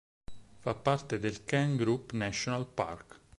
Fa parte del "Kent Group National Park".